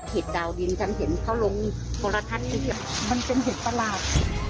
เห็ดดาวดินฉันเห็นเขาลงพอละทัศน์ที่นี่มันเป็นเห็ดประหลาด